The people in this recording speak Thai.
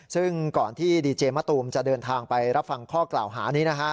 ซึ่งก่อนที่ดีเจมะตูมจะเดินทางไปรับฟังข้อกล่าวหานี้นะฮะ